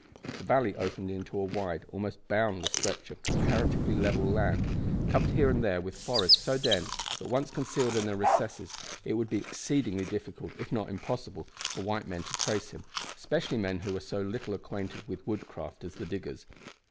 The valley opened into a wide, almost boundless stretch of comparatively level land, covered here and there with forests so dense, that, once concealed in their recesses, it would be exceedingly difficult if not impossible, for white men to trace him, especially men who were so little acquainted with woodcraft as the diggers.